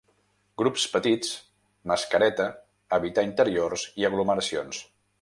Grups petits, mascareta, evitar interiors i aglomeracions.